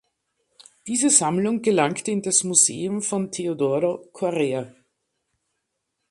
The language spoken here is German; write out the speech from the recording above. Diese Sammlung gelangte in das Museum von Teodoro Correr.